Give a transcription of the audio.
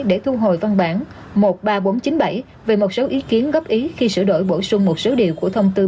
để thu hồi văn bản một mươi ba nghìn bốn trăm chín mươi bảy về một số ý kiến góp ý khi sửa đổi bổ sung một số điều của thông tư